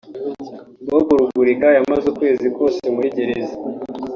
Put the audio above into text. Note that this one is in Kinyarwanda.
Bob Rugurika yamaze ukwezi kose muri gereza